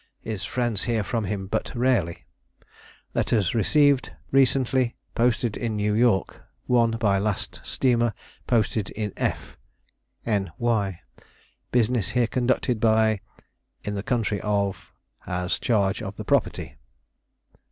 His friends hear from him but rarely. Letters rec'd recently, posted in New York. One by last steamer posted in F , N. Y. "Business here conducted by . In the country, of has charge of the property.